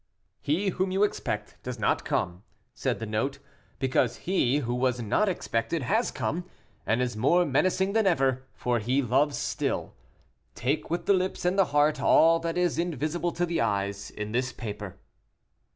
"He whom you expect does not come," said the note, "because he who was not expected has come, and is more menacing than ever, for he loves still. Take with the lips and the heart all that is invisible to the eyes in this paper."